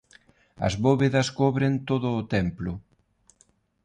As bóvedas cobren todo o templo.